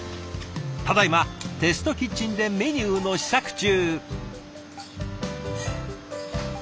ただいまテストキッチンでメニューの試作中。